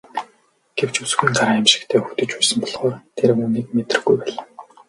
Гэвч бүсгүйн гар аймшигтай өвдөж байсан болохоор тэр үүнийг мэдрэхгүй байлаа.